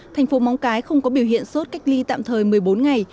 thành phố móng cái không có biểu hiện sốt cách ly tạm thời một mươi bốn ngày